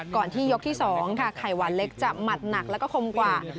ที่ยกที่๒ค่ะไข่หวานเล็กจะหมัดหนักแล้วก็คมกว่า